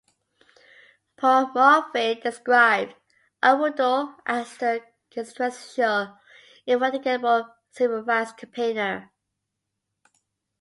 Paul Murphy described Arudou as "the quintessential indefatigable civil rights campaigner".